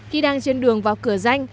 khi đang trên đường vào cửa danh